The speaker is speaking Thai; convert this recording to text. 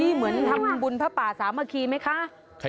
เหมือนทำบุญพระป่าสามัคคีไหมคะ